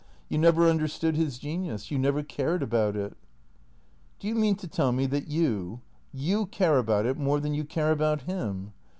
" You never under stood his genius ; you never cared about it." "Do you mean to tell me that you — you care about it more than you care about him